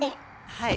はい。